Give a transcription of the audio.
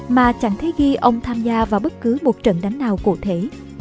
mà chẳng thấy ghi ông tham gia vào bất cứ một trận đánh nào cụ thể